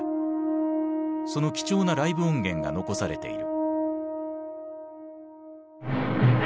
その貴重なライブ音源が残されている。